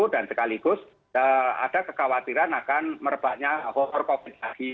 dan sekaligus ada kekhawatiran akan merebaknya over covid lagi